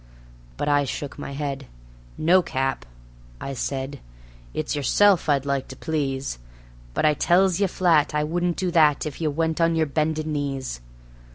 But I shook my head: "No, Cap," I said; "it's yourself I'd like to please, But I tells ye flat I wouldn't do that if ye went on yer bended knees."